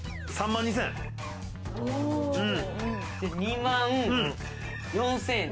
２万４０００円。